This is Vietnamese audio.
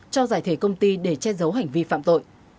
cho giải thể công ty để che giấu hành vi phạm tội